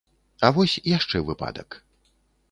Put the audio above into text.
А вось яшчэ выпадак.